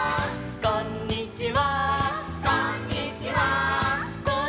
「こんにちは」